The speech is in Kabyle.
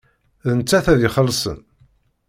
D nettat ad ixellṣen.